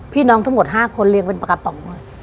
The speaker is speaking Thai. พี่น้องทั้งหมดห้าคนเรียงเป็นปากป๋อง